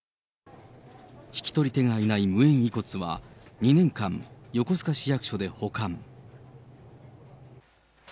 引き取り手がいない無縁遺骨は、２年間、横須賀市役所で保管。